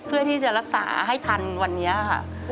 เพื่อที่จะรักษาให้ทันวันนี้ค่ะ